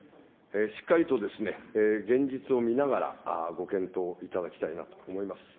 しっかりと現実を見ながら、ご検討いただきたいなと思います。